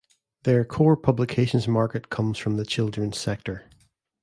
Their core publications market comes from the children's sector.